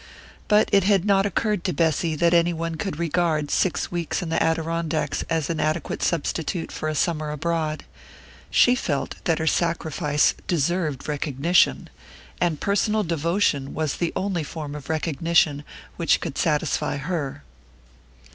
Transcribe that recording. But it had not occurred to Bessy that any one could regard six weeks in the Adirondacks as an adequate substitute for a summer abroad. She felt that her sacrifice deserved recognition, and personal devotion was the only form of recognition which could satisfy her.